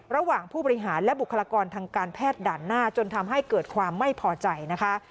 ระหว่างผู้บริหารและบุคลากรทางการแพทย์ด่านหน้าจนทำให้เกิดความไม่พอใจนะคะ